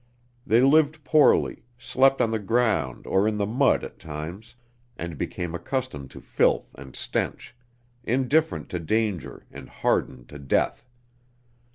They lived poorly, slept on the ground or in the mud at times, and became accustomed to filth and stench, indifferent to danger and hardened to death.